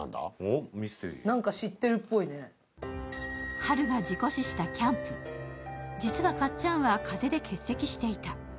ハルが事故死したキャンプ、実はかっちゃんは風邪で欠席していた。